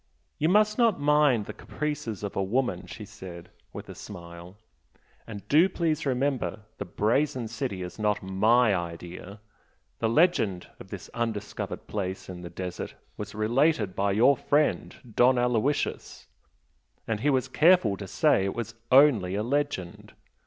"You must not mind the caprices of a woman!" she said, with a smile "And do please remember the 'Brazen City' is not MY idea! The legend of this undiscovered place in the desert was related by your friend Don Aloysius and he was careful to say it was 'only' a legend.